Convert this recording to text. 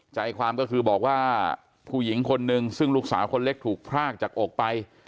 ใจความก็คือบอกว่าผู้หญิงคนนึงซึ่งลูกสาวคนเล็กถูกพรากจากอกไป